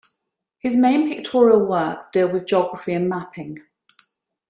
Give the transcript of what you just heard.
His main pictorial works deal with geography and mapping.